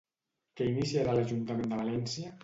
Què iniciarà l'Ajuntament de València?